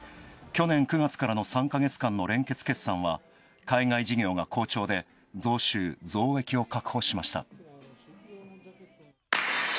去年９月からの３か月間の連結決算は海外事業が好調で、増収・増益を確保しました。